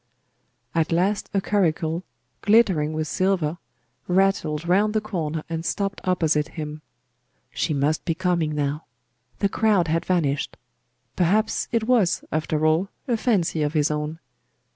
At last a curricle, glittering with silver, rattled round the corner and stopped opposite him. She must becoming now. The crowd had vanished. Perhaps it was, after all, a fancy of his own.